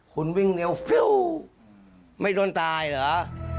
คุณวิ่งเหนียวฟิวไม่โดนตายเหรอ